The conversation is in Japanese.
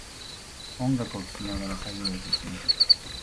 音楽を聴きながら作業を進める